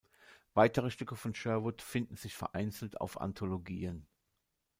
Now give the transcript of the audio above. Weitere Stücke von Sherwood finden sich vereinzelt auf Anthologien.